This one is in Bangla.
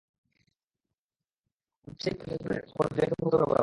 আমরা পাশেই একটি কাঠের গুঁড়ির ওপর দুজন দুদিকে মুখ করে বসলাম।